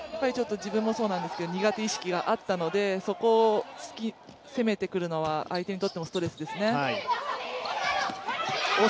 自分もそうなんですけど苦手意識があったのでそこを攻めてくるのは相手にとってもストレスですね。